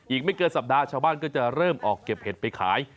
อีกไม่เกินสัปดาห์ชาวบ้านก็จะเริ่มออกเก็บเห็ดไปขาย